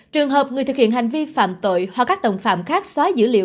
trường hợp người thực hiện hành vi phạm tội hoặc các đồng phạm khác xóa dữ liệu